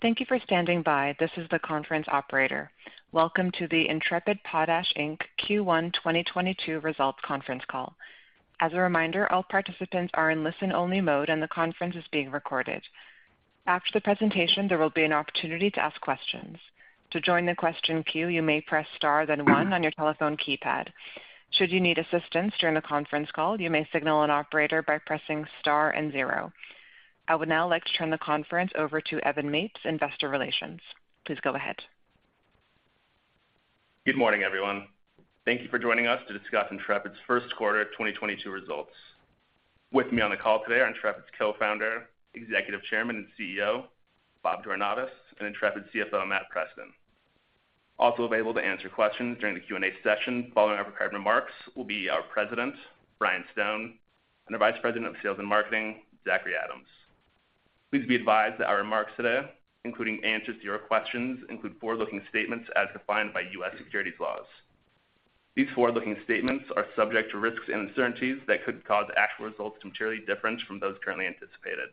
Thank you for standing by. This is the conference operator. Welcome to the Intrepid Potash, Inc. Q1 2022 Results Conference Call. As a reminder, all participants are in listen-only mode, and the conference is being recorded. After the presentation, there will be an opportunity to ask questions. To join the question queue, you may press star then one on your telephone keypad. Should you need assistance during the conference call, you may signal an operator by pressing star and zero. I would now like to turn the conference over to Evan Mapes, Investor Relations. Please go ahead. Good morning, everyone. Thank you for joining us to discuss Intrepid's first quarter 2022 results. With me on the call today are Intrepid's Co-founder, Executive Chairman, and CEO, Bob Jornayvaz, and Intrepid's CFO, Matthew Preston. Also available to answer questions during the Q&A session following our prepared remarks will be our President, Brian Stone, and our Vice President of Sales and Marketing, Zachry Adams. Please be advised that our remarks today, including answers to your questions, include forward-looking statements as defined by U.S. securities laws. These forward-looking statements are subject to risks and uncertainties that could cause actual results to materially differ from those currently anticipated.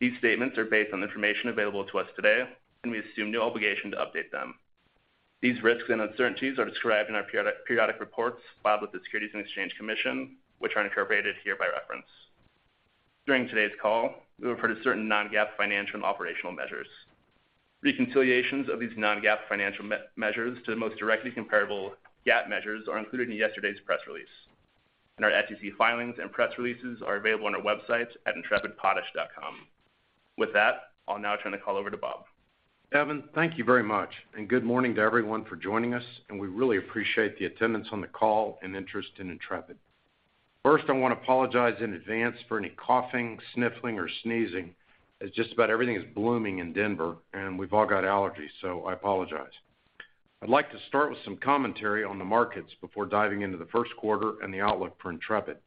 These statements are based on information available to us today, and we assume no obligation to update them. These risks and uncertainties are described in our periodic reports filed with the Securities and Exchange Commission, which are incorporated here by reference. During today's call, we refer to certain non-GAAP financial and operational measures. Reconciliations of these non-GAAP financial measures to the most directly comparable GAAP measures are included in yesterday's press release. Our SEC filings and press releases are available on our websites at intrepidpotash.com. With that, I'll now turn the call over to Bob. Evan, thank you very much, and good morning to everyone for joining us, and we really appreciate the attendance on the call and interest in Intrepid. First, I wanna apologize in advance for any coughing, sniffling, or sneezing, as just about everything is blooming in Denver, and we've all got allergies, so I apologize. I'd like to start with some commentary on the markets before diving into the first quarter and the outlook for Intrepid.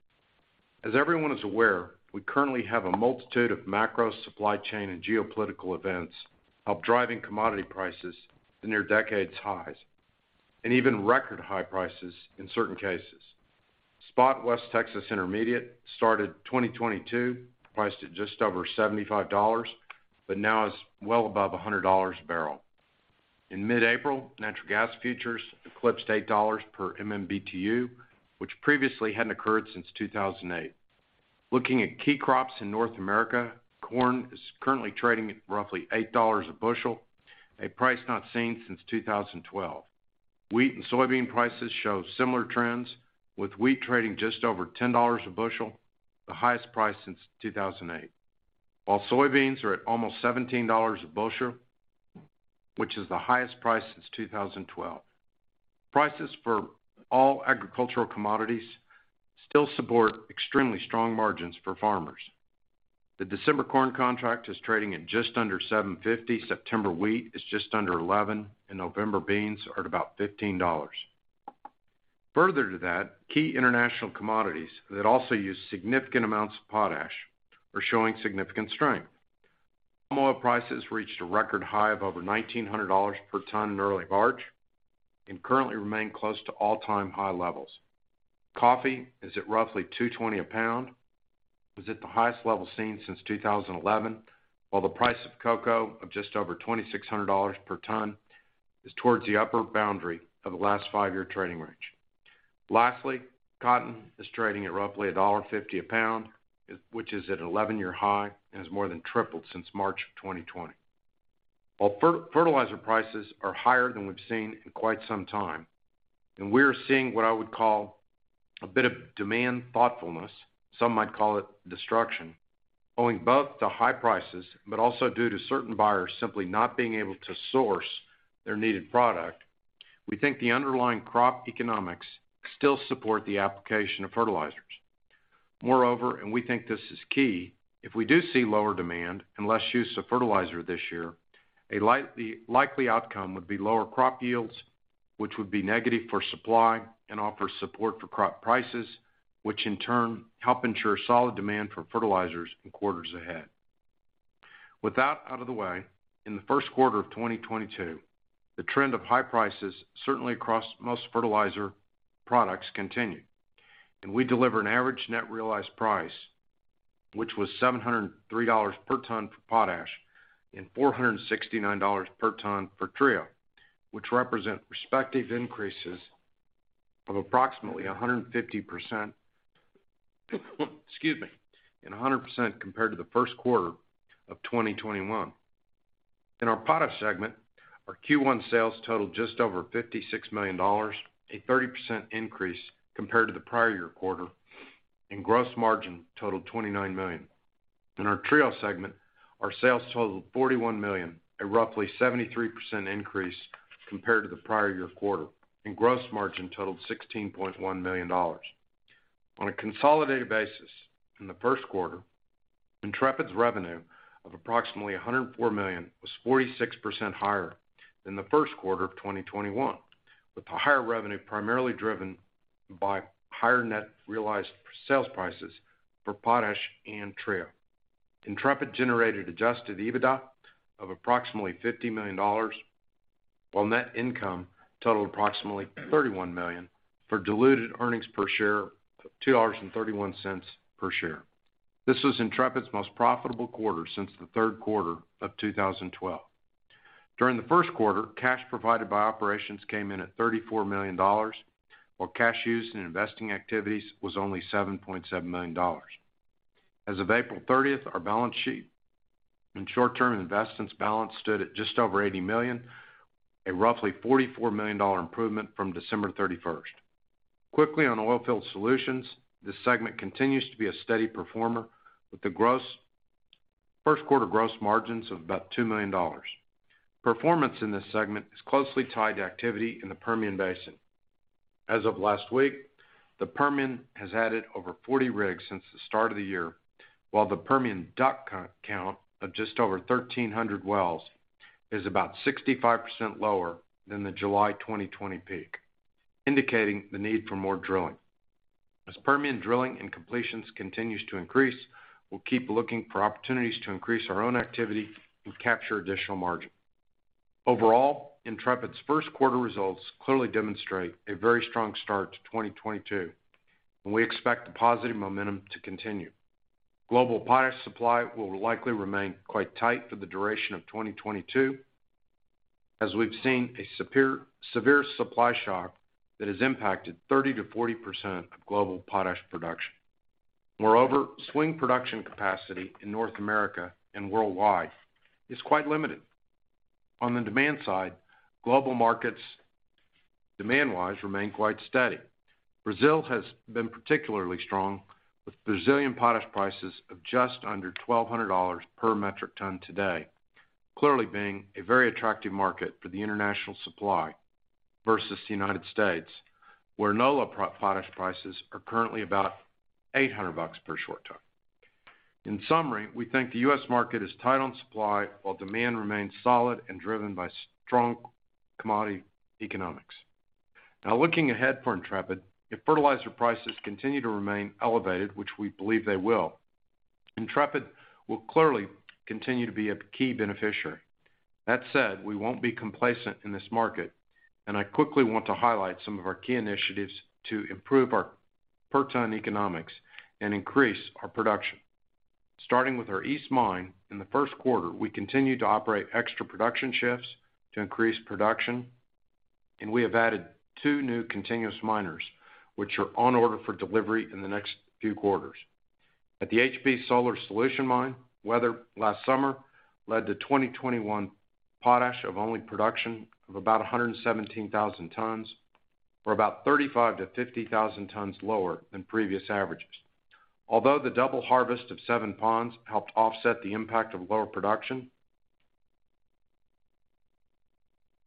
As everyone is aware, we currently have a multitude of macro supply chain and geopolitical events helping drive commodity prices to near-decade highs and even record high prices in certain cases. Spot West Texas Intermediate started 2022 priced at just over $75, but now is well above $100 a barrel. In mid-April, natural gas futures eclipsed $8 per MMBtu, which previously hadn't occurred since 2008. Looking at key crops in North America, corn is currently trading at roughly $8 a bushel, a price not seen since 2012. Wheat and soybean prices show similar trends, with wheat trading just over $10 a bushel, the highest price since 2008. While soybeans are at almost $17 a bushel, which is the highest price since 2012. Prices for all agricultural commodities still support extremely strong margins for farmers. The December corn contract is trading at just under $7.50, September wheat is just under $11, and November beans are at about $15. Further to that, key international commodities that also use significant amounts of potash are showing significant strength. Palm oil prices reached a record high of over $1,900 per ton in early March and currently remain close to all-time high levels. Coffee is at roughly $2.20 a pound. It was at the highest level seen since 2011, while the price of cocoa is just over $2,600 per ton is towards the upper boundary of the last five-year trading range. Lastly, cotton is trading at roughly $1.50 a pound, which is at 11-year high and has more than tripled since March of 2020. While fertilizer prices are higher than we've seen in quite some time, and we're seeing what I would call a bit of demand thoughtfulness, some might call it destruction, owing both to high prices, but also due to certain buyers simply not being able to source their needed product, we think the underlying crop economics still support the application of fertilizers. Moreover, we think this is key, if we do see lower demand and less use of fertilizer this year, the likely outcome would be lower crop yields, which would be negative for supply and offer support for crop prices, which in turn help ensure solid demand for fertilizers in quarters ahead. With that out of the way, in the first quarter of 2022, the trend of high prices certainly across most fertilizer products continued. We deliver an average net realized price, which was $703 per ton for potash and $469 per ton for Trio, which represent respective increases of approximately 150%, excuse me, and 100% compared to the first quarter of 2021. In our Potash segment, our Q1 sales totaled just over $56 million, a 30% increase compared to the prior year quarter, and gross margin totaled $29 million. In our Trio segment, our sales totaled $41 million, a roughly 73% increase compared to the prior year quarter, and gross margin totaled $16.1 million. On a consolidated basis, in the first quarter, Intrepid's revenue of approximately $104 million was 46% higher than the first quarter of 2021, with the higher revenue primarily driven by higher net realized sales prices for potash and Trio. Intrepid generated adjusted EBITDA of approximately $50 million. While net income totaled approximately $31 million for diluted earnings per share of $2.31 per share. This was Intrepid's most profitable quarter since the third quarter of 2012. During the first quarter, cash provided by operations came in at $34 million, while cash used in investing activities was only $7.7 million. As of April 30, our cash balance and short-term investments balance stood at just over $80 million, a roughly $44 million improvement from December 31. Quickly on Oilfield Solutions, this segment continues to be a steady performer with the first quarter gross margins of about $2 million. Performance in this segment is closely tied to activity in the Permian Basin. As of last week, the Permian has added over 40 rigs since the start of the year, while the Permian DUC count of just over 1,300 wells is about 65% lower than the July 2020 peak, indicating the need for more drilling. As Permian drilling and completions continues to increase, we'll keep looking for opportunities to increase our own activity and capture additional margin. Overall, Intrepid's first quarter results clearly demonstrate a very strong start to 2022, and we expect the positive momentum to continue. Global potash supply will likely remain quite tight for the duration of 2022, as we've seen a severe supply shock that has impacted 30%-40% of global potash production. Moreover, swing production capacity in North America and worldwide is quite limited. On the demand side, global markets, demand-wise, remain quite steady. Brazil has been particularly strong, with Brazilian potash prices of just under $1,200 per metric ton today, clearly being a very attractive market for the international supply versus the United States, where NOLA potash prices are currently about $800 per short ton. In summary, we think the U.S. market is tight on supply while demand remains solid and driven by strong commodity economics. Now looking ahead for Intrepid, if fertilizer prices continue to remain elevated, which we believe they will, Intrepid will clearly continue to be a key beneficiary. That said, we won't be complacent in this market, and I quickly want to highlight some of our key initiatives to improve our per-ton economics and increase our production. Starting with our East Mine, in the first quarter, we continued to operate extra production shifts to increase production, and we have added two new continuous miners, which are on order for delivery in the next few quarters. At the HB Solar Solution Mine, weather last summer led to 2021 potash production of only about 117,000 tons, or about 35,000-50,000 tons lower than previous averages. Although the double harvest of seven ponds helped offset the impact of lower production,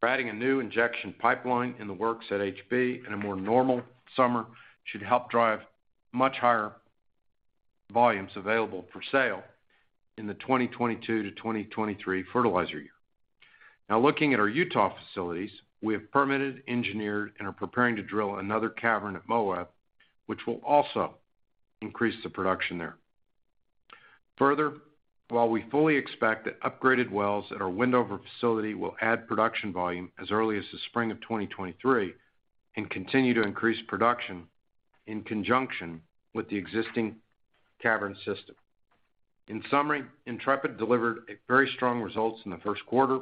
we're adding a new injection pipeline in the works at HB, and a more normal summer should help drive much higher volumes available for sale in the 2022-2023 fertilizer year. Now looking at our Utah facilities, we have permitted, engineered, and are preparing to drill another cavern at Moab, which will also increase the production there. Further, while we fully expect that upgraded wells at our Wendover facility will add production volume as early as the spring of 2023 and continue to increase production in conjunction with the existing cavern system. In summary, Intrepid delivered a very strong results in the first quarter.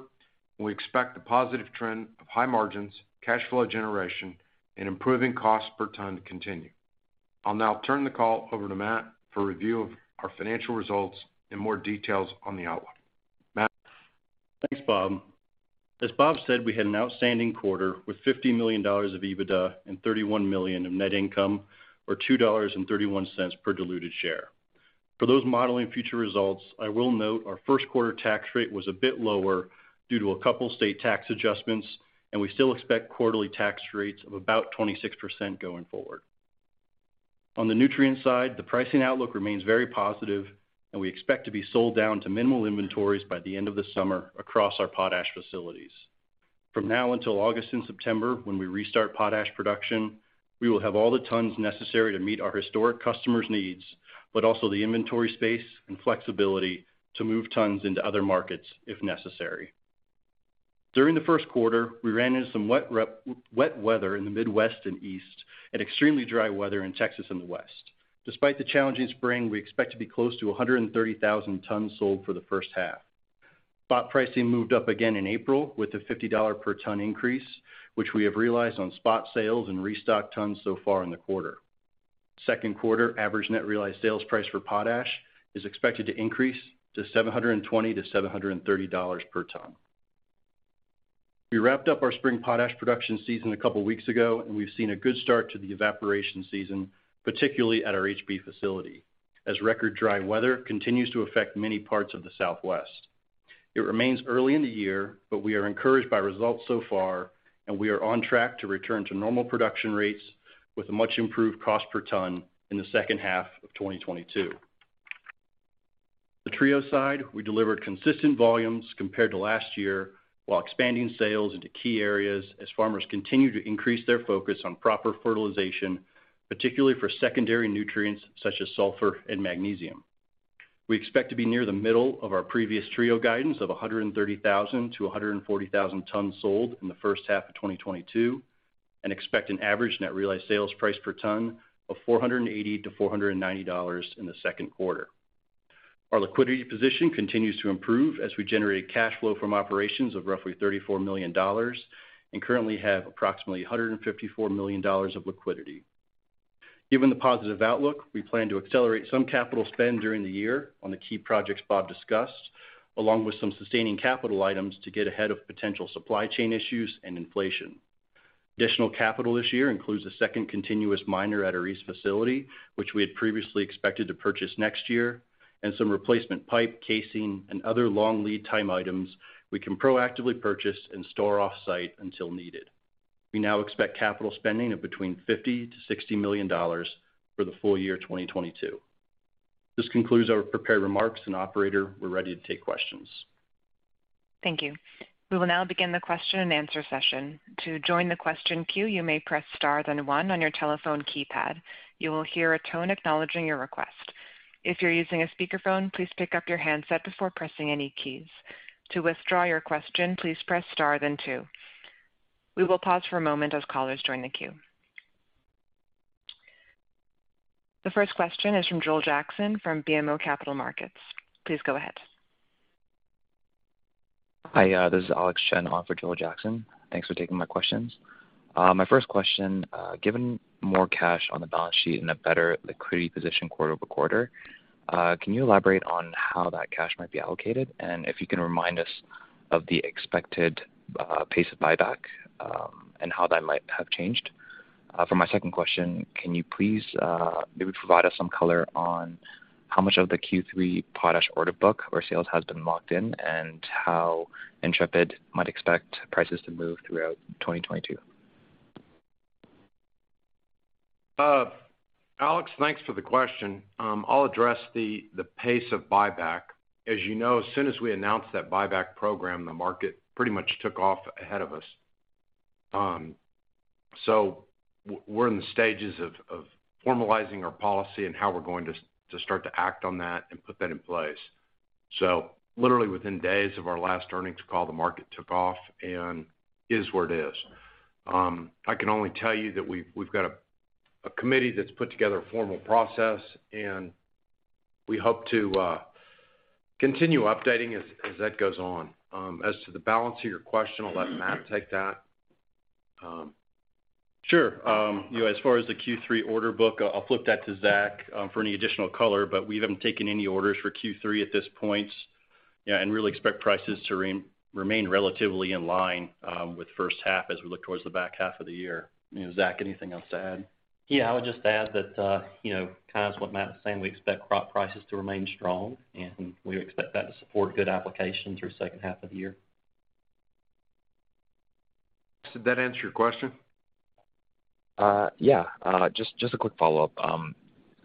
We expect the positive trend of high margins, cash flow generation, and improving cost per ton to continue. I'll now turn the call over to Matt for a review of our financial results and more details on the outlook. Matt? Thanks, Bob. As Bob said, we had an outstanding quarter with $50 million of EBITDA and $31 million of net income or $2.31 per diluted share. For those modeling future results, I will note our first quarter tax rate was a bit lower due to a couple state tax adjustments, and we still expect quarterly tax rates of about 26% going forward. On the nutrient side, the pricing outlook remains very positive, and we expect to be sold down to minimal inventories by the end of the summer across our potash facilities. From now until August and September when we restart potash production, we will have all the tons necessary to meet our historic customers' needs, but also the inventory space and flexibility to move tons into other markets if necessary. During the first quarter, we ran into some wet weather in the Midwest and East and extremely dry weather in Texas and the West. Despite the challenging spring, we expect to be close to 130,000 tons sold for the first half. Spot pricing moved up again in April with a $50 per ton increase, which we have realized on spot sales and restock tons so far in the quarter. Second quarter average net realized sales price for potash is expected to increase to $720-$730 per ton. We wrapped up our spring potash production season a couple weeks ago, and we've seen a good start to the evaporation season, particularly at our HB facility, as record dry weather continues to affect many parts of the Southwest. It remains early in the year, but we are encouraged by results so far, and we are on track to return to normal production rates with a much improved cost per ton in the second half of 2022. On the Trio side, we delivered consistent volumes compared to last year while expanding sales into key areas as farmers continue to increase their focus on proper fertilization, particularly for secondary nutrients such as sulfur and magnesium. We expect to be near the middle of our previous Trio guidance of 130,000-140,000 tons sold in the first half of 2022, and expect an average net realized sales price per ton of $480-$490 in the second quarter. Our liquidity position continues to improve as we generate cash flow from operations of roughly $34 million, and currently have approximately $154 million of liquidity. Given the positive outlook, we plan to accelerate some capital spend during the year on the key projects Bob discussed, along with some sustaining capital items to get ahead of potential supply chain issues and inflation. Additional capital this year includes a second continuous miner at our East facility, which we had previously expected to purchase next year, and some replacement pipe, casing, and other long lead time items we can proactively purchase and store off-site until needed. We now expect capital spending of between $50-$60 million for the full year 2022. This concludes our prepared remarks, and operator, we're ready to take questions. Thank you. We will now begin the question and answer session. To join the question queue, you may press star then one on your telephone keypad. You will hear a tone acknowledging your request. If you're using a speakerphone, please pick up your handset before pressing any keys. To withdraw your question, please press star then two. We will pause for a moment as callers join the queue. The first question is from Joel Jackson from BMO Capital Markets. Please go ahead. Hi, this is Alex Chen on for Joel Jackson. Thanks for taking my questions. My first question, given more cash on the balance sheet and a better liquidity position quarter-over-quarter, can you elaborate on how that cash might be allocated? If you can remind us of the expected pace of buyback, and how that might have changed. For my second question, can you please maybe provide us some color on how much of the Q3 potash order book or sales has been locked in, and how Intrepid might expect prices to move throughout 2022? Alex, thanks for the question. I'll address the pace of buyback. As you know, as soon as we announced that buyback program, the market pretty much took off ahead of us. We're in the stages of formalizing our policy and how we're going to start to act on that and put that in place. Literally within days of our last earnings call, the market took off and it is what it is. I can only tell you that we've got a committee that's put together a formal process, and we hope to continue updating as that goes on. As to the balance of your question, I'll let Matt take that. Sure. You know, as far as the Q3 order book, I'll flip that to Zach for any additional color, but we haven't taken any orders for Q3 at this point. Yeah, really expect prices to remain relatively in line with the first half as we look towards the back half of the year. You know, Zach, anything else to add? Yeah, I would just add that, you know, kind of what Matt was saying, we expect crop prices to remain strong, and we expect that to support good application through second half of the year. Did that answer your question? Yeah. Just a quick follow-up.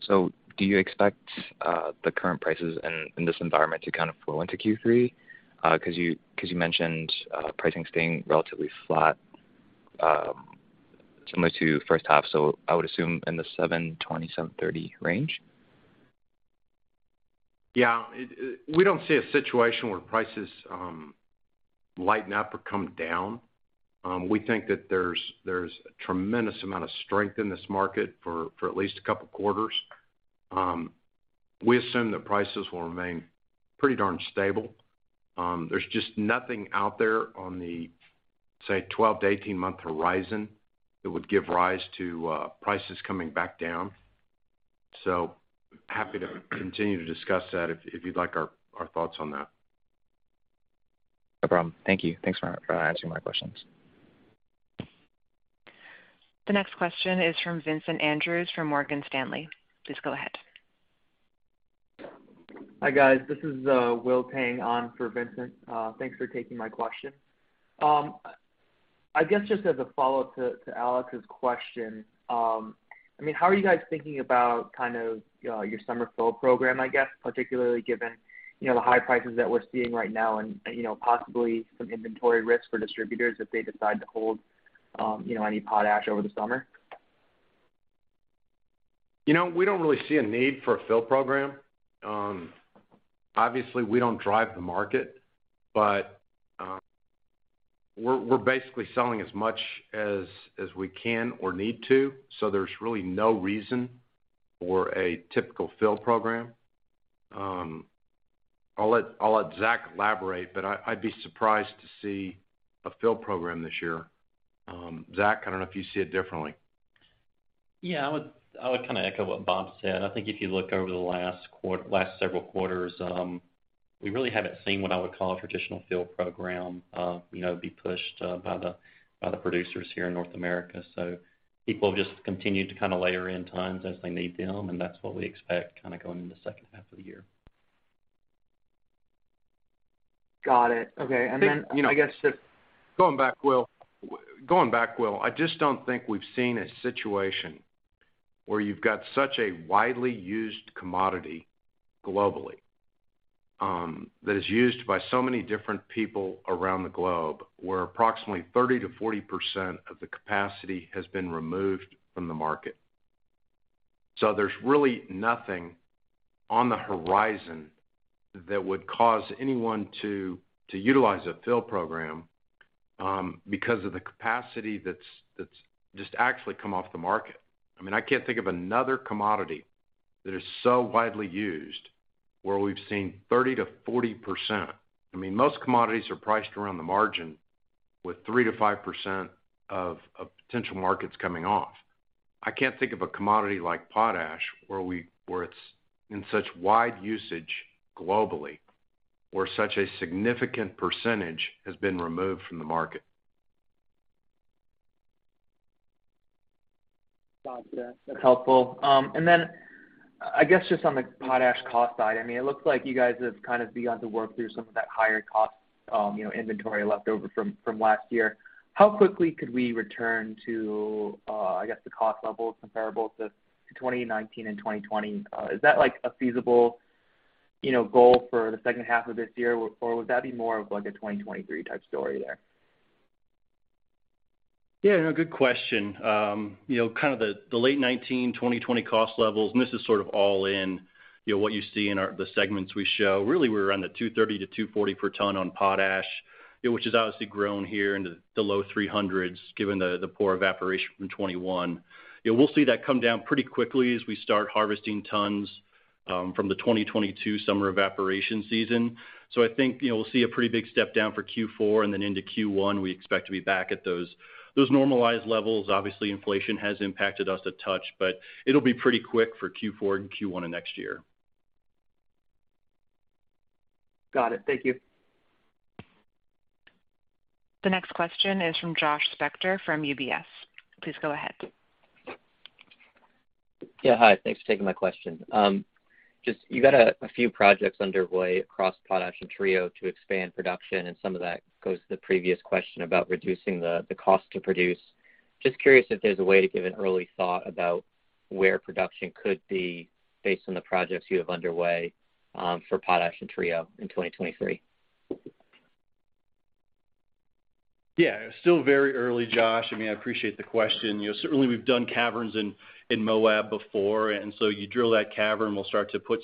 Do you expect the current prices in this environment to kind of flow into Q3? Because you mentioned pricing staying relatively flat, similar to first half, so I would assume in the $720-$730 range. Yeah. We don't see a situation where prices lighten up or come down. We think that there's a tremendous amount of strength in this market for at least a couple quarters. We assume that prices will remain pretty darn stable. There's just nothing out there on the, say, 12-18-month horizon that would give rise to prices coming back down. Happy to continue to discuss that if you'd like our thoughts on that. No problem. Thank you. Thanks for answering my questions. The next question is from Vincent Andrews from Morgan Stanley. Please go ahead. Hi, guys. This is Will Tang on for Vincent Andrews. Thanks for taking my question. I guess just as a follow-up to Alex Chen's question, I mean, how are you guys thinking about kind of your summer fill program, I guess, particularly given, you know, the high prices that we're seeing right now and you know, possibly some inventory risk for distributors if they decide to hold, you know, any potash over the summer? You know, we don't really see a need for a fill program. Obviously, we don't drive the market, but we're basically selling as much as we can or need to, so there's really no reason for a typical fill program. I'll let Zach elaborate, but I'd be surprised to see a fill program this year. Zach, I don't know if you see it differently. Yeah. I would kind of echo what Bob said. I think if you look over the last several quarters, we really haven't seen what I would call a traditional fill program, you know, be pushed by the producers here in North America. People have just continued to kind of layer in tons as they need them, and that's what we expect kinda going into second half of the year. Got it. Okay. I guess just- Going back, Will. Going back, Will, I just don't think we've seen a situation where you've got such a widely used commodity globally, that is used by so many different people around the globe, where approximately 30%-40% of the capacity has been removed from the market. There's really nothing on the horizon that would cause anyone to utilize a fill program, because of the capacity that's just actually come off the market. I mean, I can't think of another commodity that is so widely used where we've seen 30%-40%. I mean, most commodities are priced around the margin with 3%-5% of potential markets coming off. I can't think of a commodity like potash where it's in such wide usage globally, where such a significant percentage has been removed from the market. Gotcha. That's helpful. I guess just on the potash cost side, I mean, it looks like you guys have kind of begun to work through some of that higher cost, you know, inventory left over from last year. How quickly could we return to, I guess, the cost level comparable to 2019 and 2020? Is that like a feasible, you know, goal for the second half of this year, or would that be more of like a 2023 type story there? Yeah, no, good question. The late 2019-2020 cost levels, and this is sort of all in what you see in the segments we show, really we're around 230-240 per ton on potash, which has obviously grown here into the low 300s given the poor evaporation from 2021. Yeah, we'll see that come down pretty quickly as we start harvesting tons from the 2022 summer evaporation season. I think we'll see a pretty big step down for Q4, and then into Q1, we expect to be back at those normalized levels. Obviously, inflation has impacted us a touch, but it'll be pretty quick for Q4 and Q1 of next year. Got it. Thank you. The next question is from Josh Spector from UBS. Please go ahead. Yeah. Hi, thanks for taking my question. Just you've got a few projects underway across Potash and Trio to expand production, and some of that goes to the previous question about reducing the cost to produce. Just curious if there's a way to give an early thought about where production could be based on the projects you have underway for Potash and Trio in 2023. Yeah. Still very early, Josh. I mean, I appreciate the question. You know, certainly we've done caverns in Moab before, and so you drill that cavern, we'll start to put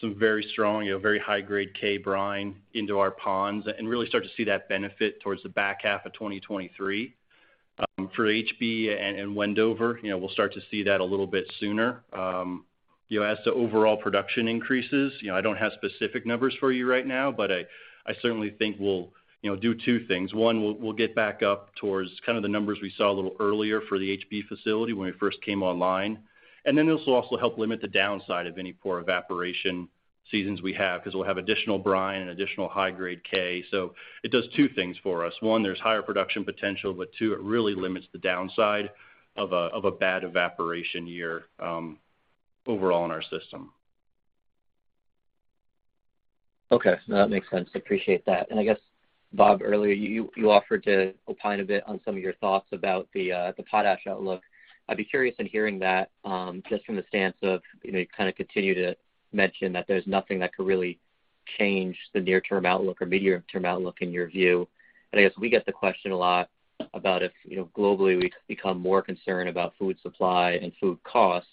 some very strong, you know, very high grade K brine into our ponds and really start to see that benefit towards the back half of 2023. For HB and Wendover, you know, we'll start to see that a little bit sooner. You know, as to overall production increases, you know, I don't have specific numbers for you right now, but I certainly think we'll, you know, do two things. One, we'll get back up towards kind of the numbers we saw a little earlier for the HB facility when it first came online. This will also help limit the downside of any poor evaporation seasons we have, 'cause we'll have additional brine and additional high grade K. It does two things for us. One, there's higher production potential, but two, it really limits the downside of a bad evaporation year, overall in our system. Okay. No, that makes sense. I appreciate that. I guess, Bob, earlier, you offered to opine a bit on some of your thoughts about the potash outlook. I'd be curious in hearing that, just from the stance of, you know, you kinda continue to mention that there's nothing that could really change the near-term outlook or medium-term outlook in your view. I guess we get the question a lot about if, you know, globally we become more concerned about food supply and food costs,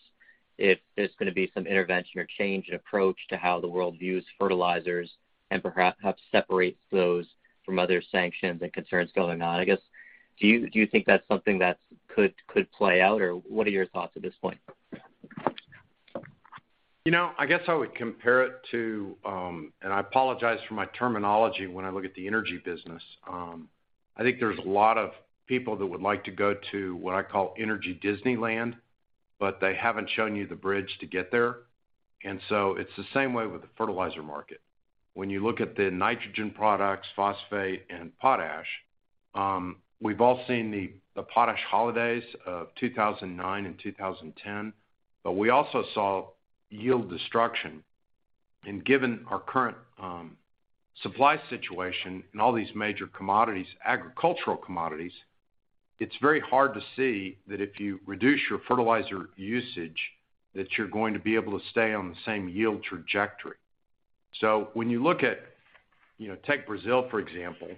if there's gonna be some intervention or change in approach to how the world views fertilizers and perhaps separates those from other sanctions and concerns going on. I guess, do you think that's something that could play out, or what are your thoughts at this point? You know, I guess I would compare it to, and I apologize for my terminology when I look at the energy business. I think there's a lot of people that would like to go to what I call energy Disneyland, but they haven't shown you the bridge to get there. It's the same way with the fertilizer market. When you look at the nitrogen products, phosphate, and potash, we've all seen the potash holidays of 2009 and 2010, but we also saw yield destruction. Given our current supply situation in all these major commodities, agricultural commodities, it's very hard to see that if you reduce your fertilizer usage, that you're going to be able to stay on the same yield trajectory. When you look at, you know, take Brazil, for example,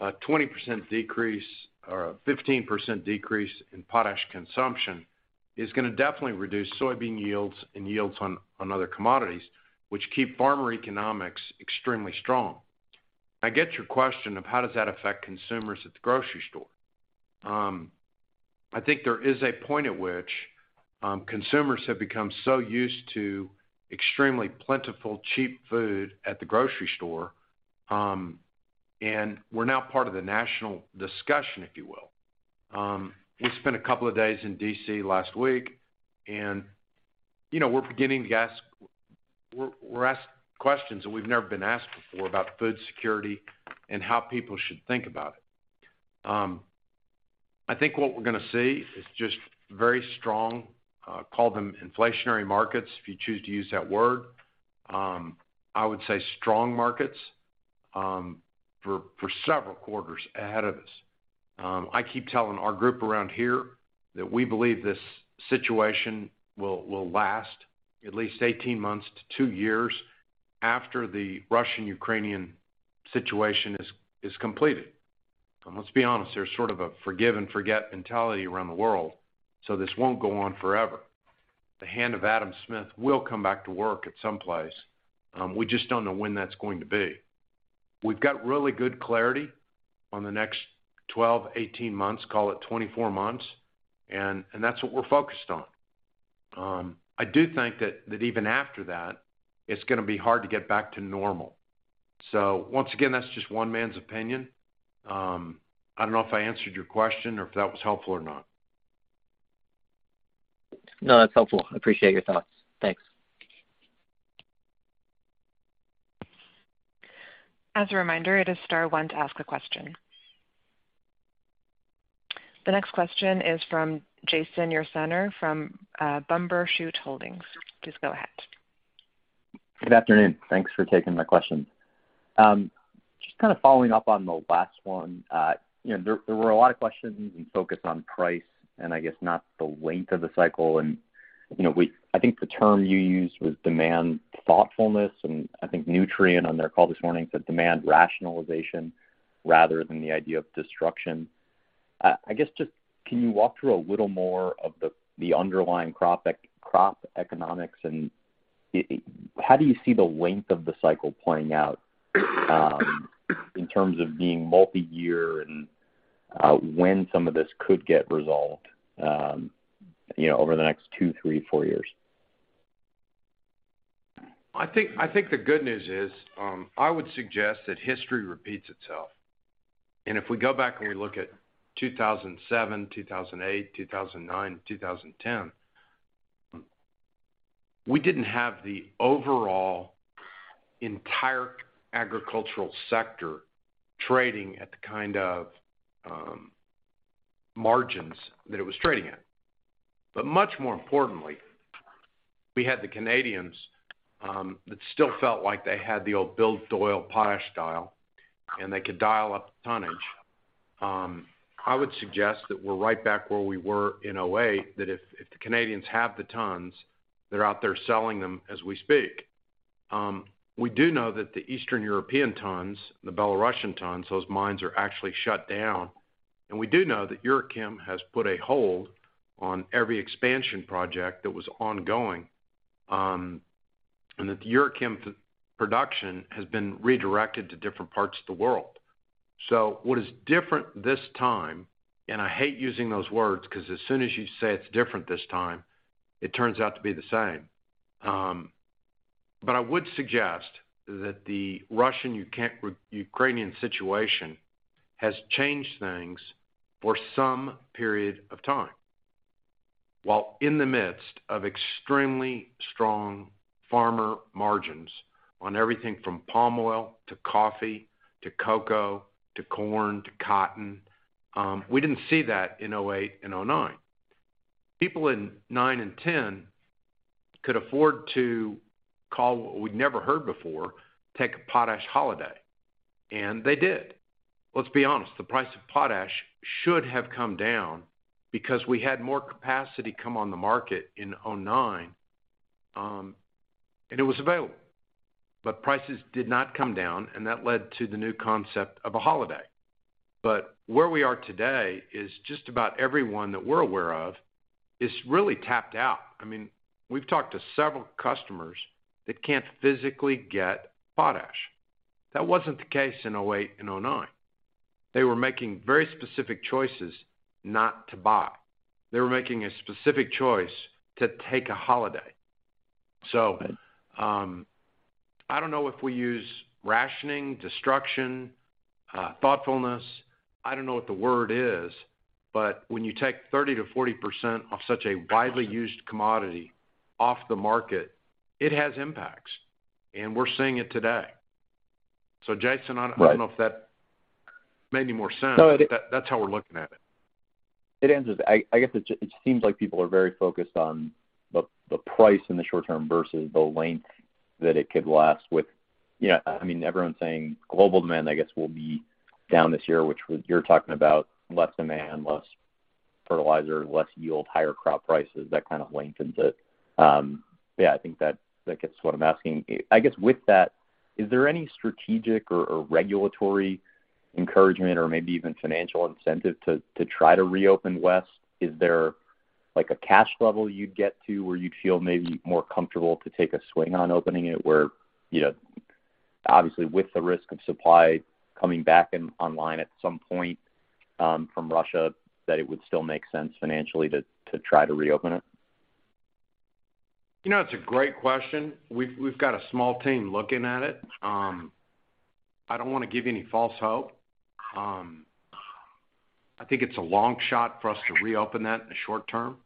a 20% decrease or a 15% decrease in potash consumption is gonna definitely reduce soybean yields and yields on other commodities, which keep farmer economics extremely strong. I get your question of how does that affect consumers at the grocery store. I think there is a point at which consumers have become so used to extremely plentiful, cheap food at the grocery store, and we're now part of the national discussion, if you will. We spent a couple of days in D.C. last week and, you know, we're beginning to get asked, we're asked questions that we've never been asked before about food security and how people should think about it. I think what we're gonna see is just very strong, call them inflationary markets, if you choose to use that word. I would say strong markets for several quarters ahead of us. I keep telling our group around here that we believe this situation will last at least 18 months to two years after the Russian-Ukrainian situation is completed. Let's be honest, there's sort of a forgive and forget mentality around the world, so this won't go on forever. The hand of Adam Smith will come back to work at some place, we just don't know when that's going to be. We've got really good clarity on the next 12, 18 months, call it 24 months, and that's what we're focused on. I do think that even after that, it's gonna be hard to get back to normal. Once again, that's just one man's opinion. I don't know if I answered your question or if that was helpful or not. No, that's helpful. I appreciate your thoughts. Thanks. As a reminder, it is star one to ask a question. The next question is from Jason Ursaner from Bumbershoot Holdings. Please go ahead. Good afternoon. Thanks for taking my questions. Just kinda following up on the last one. You know, there were a lot of questions and focus on price and I guess not the length of the cycle and, you know, I think the term you used was demand thoughtfulness, and I think Nutrien on their call this morning said demand rationalization rather than the idea of destruction. I guess just can you walk through a little more of the underlying crop economics and how do you see the length of the cycle playing out, in terms of being multiyear and, when some of this could get resolved, you know, over the next two, three, four years? I think the good news is, I would suggest that history repeats itself. If we go back and we look at 2007, 2008, 2009, 2010, we didn't have the overall entire agricultural sector trading at the kind of margins that it was trading in. Much more importantly, we had the Canadians that still felt like they had the old Bill Doyle potash dial, and they could dial up the tonnage. I would suggest that we're right back where we were in 2008, that if the Canadians have the tons, they're out there selling them as we speak. We do know that the Eastern European tons, the Belarusian tons, those mines are actually shut down. We do know that Uralkali has put a hold on every expansion project that was ongoing, and that the Uralkali production has been redirected to different parts of the world. What is different this time, and I hate using those words 'cause as soon as you say it's different this time, it turns out to be the same. I would suggest that the Russian-Ukrainian situation has changed things for some period of time while in the midst of extremely strong farmer margins on everything from palm oil to coffee to cocoa to corn to cotton. We didn't see that in 2008 and 2009. People in 2009 and 2010 could afford to call what we'd never heard before, take a potash holiday, and they did. Let's be honest, the price of potash should have come down because we had more capacity come on the market in 2009, and it was available. Prices did not come down, and that led to the new concept of a holiday. Where we are today is just about everyone that we're aware of is really tapped out. I mean, we've talked to several customers that can't physically get potash. That wasn't the case in 2008 and 2009. They were making very specific choices not to buy. They were making a specific choice to take a holiday. I don't know if we use rationing, destruction, thoughtfulness. I don't know what the word is, but when you take 30%-40% off such a widely used commodity off the market, it has impacts, and we're seeing it today. Jason, I don't know if that made any more sense. No, it did. That's how we're looking at it. It answers. I guess it seems like people are very focused on the price in the short term versus the length that it could last with. You know, I mean, everyone's saying global demand, I guess, will be down this year, which you're talking about less demand, less fertilizer, less yield, higher crop prices, that kind of lengthens it. Yeah, I think that gets what I'm asking. I guess with that, is there any strategic or regulatory encouragement or maybe even financial incentive to try to reopen West? Is there like a cash level you'd get to where you'd feel maybe more comfortable to take a swing on opening it where, you know, obviously with the risk of supply coming back online at some point, from Russia, that it would still make sense financially to try to reopen it? You know, it's a great question. We've got a small team looking at it. I don't wanna give you any false hope. I think it's a long shot for us to reopen that in the short term.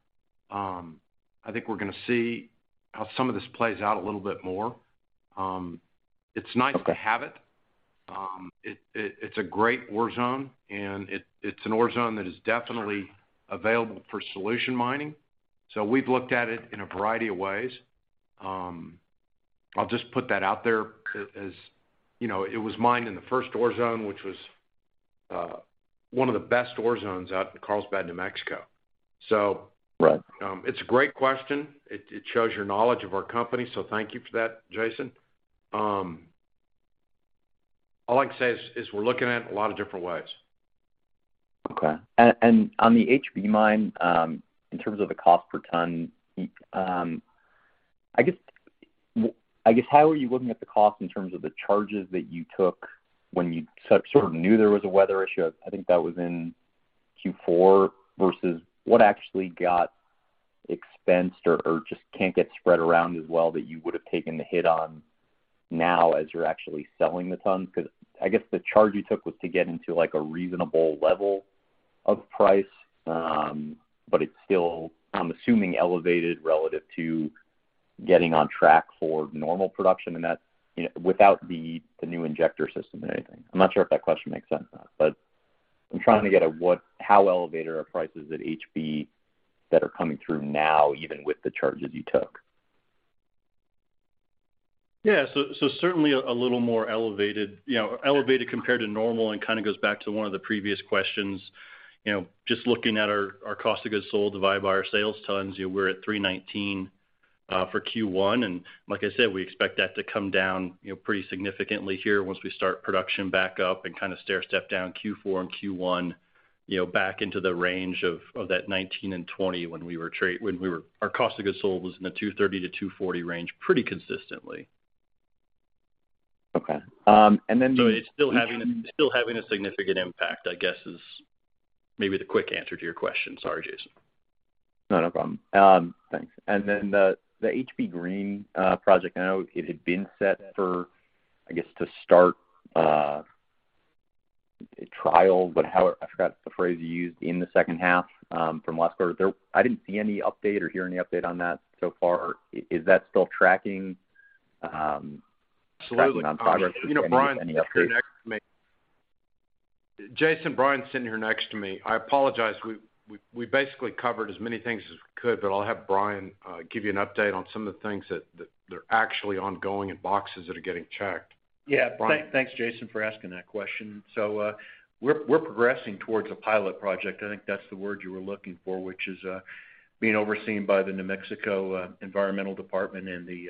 I think we're gonna see how some of this plays out a little bit more. It's nice to have it. It's a great ore zone, and it's an ore zone that is definitely available for solution mining. We've looked at it in a variety of ways. I'll just put that out there as, you know, it was mined in the first ore zone, which was one of the best ore zones out in Carlsbad, New Mexico. Right. It's a great question. It shows your knowledge of our company, so thank you for that, Jason. All I can say is we're looking at it a lot of different ways. Okay. On the HB mine, in terms of the cost per ton, I guess how are you looking at the cost in terms of the charges that you took when you sort of knew there was a weather issue? I think that was in Q4 versus what actually got expensed or just can't get spread around as well that you would've taken the hit on now as you're actually selling the ton. 'Cause I guess the charge you took was to get into like a reasonable level of price. It's still, I'm assuming, elevated relative to getting on track for normal production and that, you know, without the new injector system or anything. I'm not sure if that question makes sense or not, but I'm trying to get at how elevated are prices at HB that are coming through now, even with the charges you took. Certainly a little more elevated, you know, elevated compared to normal and kind of goes back to one of the previous questions. You know, just looking at our cost of goods sold divided by our sales tons, you know, we're at $319 for Q1. Like I said, we expect that to come down, you know, pretty significantly here once we start production back up and kind of stair step down Q4 and Q1, you know, back into the range of that 2019 and 2020 when we were our cost of goods sold was in the $230-$240 range pretty consistently. Okay. It's still having a significant impact, I guess, is maybe the quick answer to your question. Sorry, Jason. No, no problem. Thanks. Then the HB Green project, I know it had been set for, I guess, to start trial, but how I forgot the phrase you used in the second half from last quarter. I didn't see any update or hear any update on that so far. Is that still tracking? Absolutely. Tracking on progress? Any updates? You know, Brian's sitting here next to me. Jason, Brian's sitting here next to me. I apologize. We basically covered as many things as we could, but I'll have Brian give you an update on some of the things that they're actually ongoing and boxes that are getting checked. Yeah. Brian. Thanks, Jason, for asking that question. We're progressing towards a pilot project. I think that's the word you were looking for, which is being overseen by the New Mexico Environment Department and the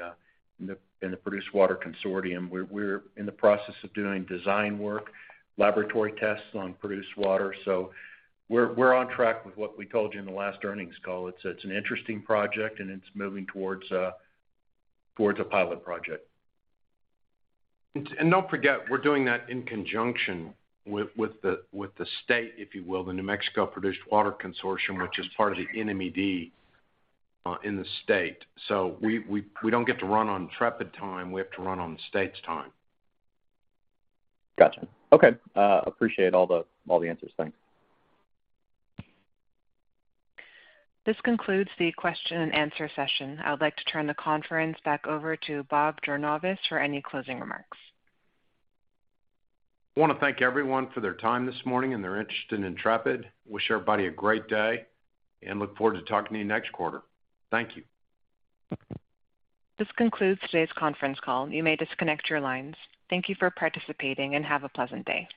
New Mexico Produced Water Research Consortium. We're in the process of doing design work, laboratory tests on produced water. We're on track with what we told you in the last earnings call. It's an interesting project and it's moving towards a pilot project. Don't forget, we're doing that in conjunction with the state, if you will, the New Mexico Produced Water Consortium, which is part of the NMED, in the state. We don't get to run on Intrepid time, we have to run on the state's time. Gotcha. Okay. Appreciate all the answers. Thanks. This concludes the question and answer session. I would like to turn the conference back over to Bob Jornayvaz for any closing remarks. Want to thank everyone for their time this morning and their interest in Intrepid. Wish everybody a great day and look forward to talking to you next quarter. Thank you. This concludes today's conference call. You may disconnect your lines. Thank you for participating and have a pleasant day.